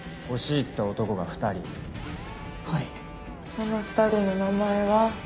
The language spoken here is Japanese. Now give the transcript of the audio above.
その２人の名前は？